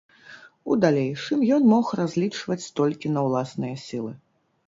У далейшым ён мог разлічваць толькі на ўласныя сілы.